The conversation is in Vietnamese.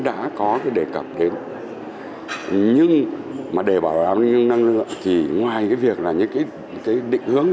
nó đã có cái đề cập đến nhưng mà để bảo đảm năng lượng thì ngoài cái việc là những cái định hướng